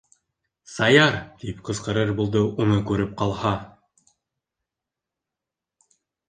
Саяр! - тип ҡысҡырыр булды уны күреп ҡалһа.